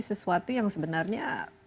sesuatu yang sebenarnya